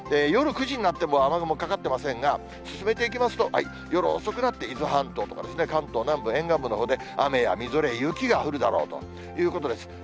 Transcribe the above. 夜９時になっても、雨雲かかってませんが、進めていきますと、夜遅くなって、伊豆半島とか、関東南部、沿岸部のほうで、雨やみぞれ、雪が降るだろうということです。